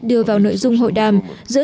đưa vào nội dung hội đàm